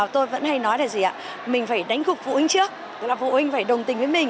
tôi vẫn hay nói là gì ạ mình phải đánh cục vụ anh trước là vụ anh phải đồng tình với mình